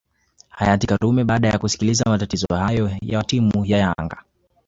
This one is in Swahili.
hayati karume baada ya kusikiliza matatizo hayo ya timu ya yanga